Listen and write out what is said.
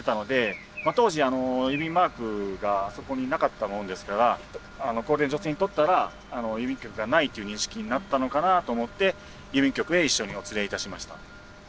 当時郵便マークがあそこになかったものですから高齢の女性にとったら郵便局がないという認識になったのかなと思って郵便局へ一緒にお連れいたしました。